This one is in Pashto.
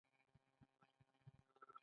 د سارا خواري اوبو يوړه.